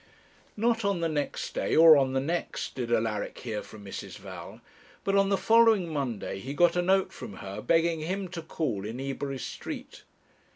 Not on the next day, or on the next, did Alaric hear from Mrs. Val, but on the following Monday he got a note from her begging him to call in Ebury Street.